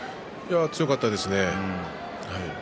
強かったですね。